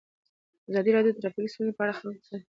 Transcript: ازادي راډیو د ټرافیکي ستونزې په اړه د خلکو احساسات شریک کړي.